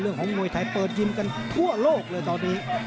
มวยไทยเปิดยิมกันทั่วโลกเลยตอนนี้